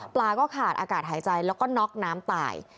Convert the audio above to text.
ก็ขาดอากาศหายใจแล้วก็น็อกน้ำตาย